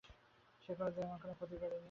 সে কোনোদিন আমার কোনো ক্ষতি করেনি।